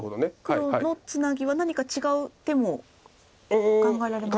黒のツナギは何か違う手も考えられましたか。